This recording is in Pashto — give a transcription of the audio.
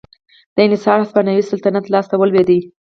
دا انحصار د هسپانوي سلطنت لاس ته ولوېد.